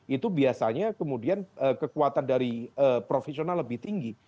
itu biasanya kemudian kekuatan dari profesional lebih tinggi